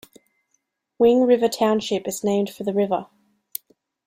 Wing River Township is named for the river.